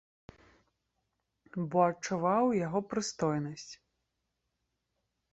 Бо адчуваў яго прыстойнасць.